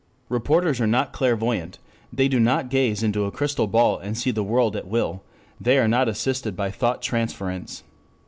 Reporters are not clairvoyant, they do not gaze into a crystal ball and see the world at will, they are not assisted by thought transference.